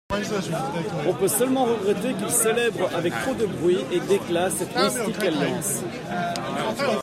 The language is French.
On peut seulement regretter qu'il célèbre avec trop de bruit et d'éclat cette mystique alliance.